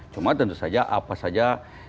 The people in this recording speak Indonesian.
cuma tentu saja apa saja